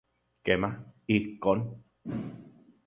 Kema, ijkon.